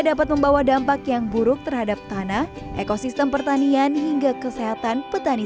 dapat membawa dampak yang buruk terhadap tanah ekosistem pertanian hingga kesehatan petani